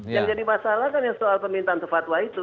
yang jadi masalah kan yang soal permintaan sefatwa itu